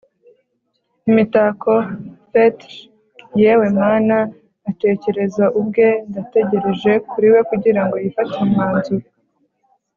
imitako fetish yewe mana atekereza ubwe ndategereje kuri we kugirango yifatire umwanzuro